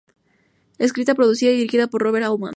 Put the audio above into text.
Escrita, producida y dirigida por Robert Altman.